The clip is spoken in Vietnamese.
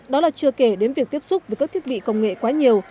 đó là chưa kể đến việc tiếp xúc với các thiết bị công nghệ quá nhiều